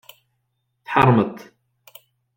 Tḥaremt?